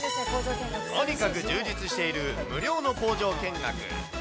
とにかく充実している無料の工場見学。